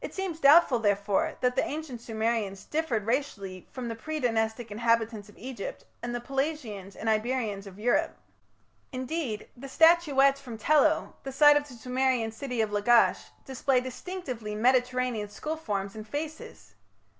It seems doubtful, therefore, that the ancient Sumerians differed racially from the pre Dynastic inhabitants of Egypt and the Pelasgians and Iberians of Europe. Indeed, the statuettes from Tello, the site of the Sumerian city of Lagash, display distinctively Mediterranean skull forms and faces.